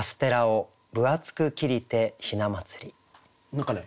何かね